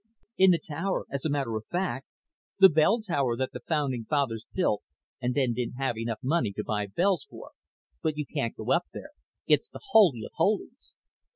"In the tower, as a matter of fact. The bell tower that the founding fathers built and then didn't have enough money to buy bells for. But you can't go up there it's the holy of holies."